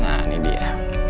nah ini dia